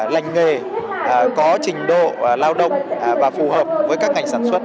lành nghề có trình độ lao động và phù hợp với các ngành sản xuất